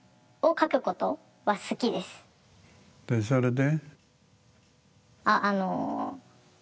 でそれで？